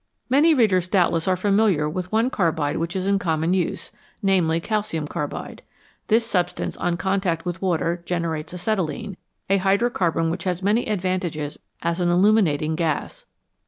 Many readers doubtless are familiar with one carbide which is in common use, namely, calcium carbide. This substance on contact with water generates acetylene, a hydrocarbon which has many advantages as an illuminat ing gas.